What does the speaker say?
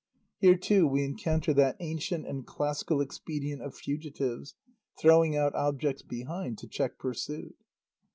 Here too, we encounter that ancient and classical expedient of fugitives; throwing out objects behind to check pursuit.